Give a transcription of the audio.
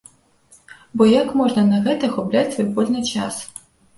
Бо як можна на гэта губляць свой вольны час?